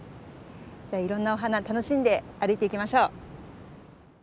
いろんなお花楽しんで歩いていきましょう。